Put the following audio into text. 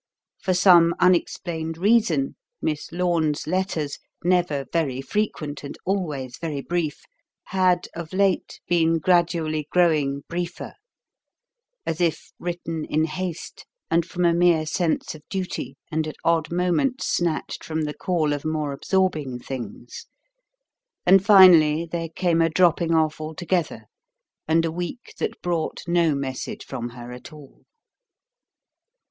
For some unexplained reason, Miss Lorne's letters never very frequent, and always very brief had, of late been gradually growing briefer: as if written in haste and from a mere sense of duty and at odd moments snatched from the call of more absorbing things; and, finally, there came a dropping off altogether and a week that brought no message from her at all.